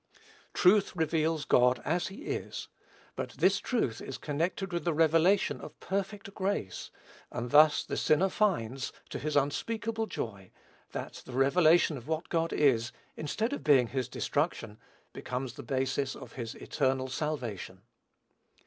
Truth reveals God as he is; but this truth is connected with the revelation of perfect grace; and thus the sinner finds, to his unspeakable joy, that the revelation of what God is, instead of being his destruction, becomes the basis of his eternal salvation.